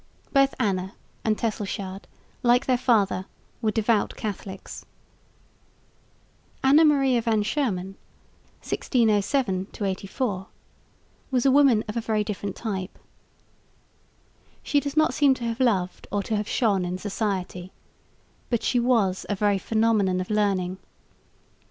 Both Anna and Tesselschade, like their father, were devout Catholics. Anna Maria van Schuurman (1607 84) was a woman of a different type. She does not seem to have loved or to have shone in society, but she was a very phenomenon of learning.